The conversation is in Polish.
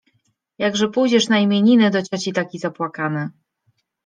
— Jakże pójdziesz na imieniny do cioci taki zapłakany!